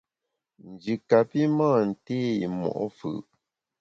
Nji kapi mâ nté i mo’ fù’.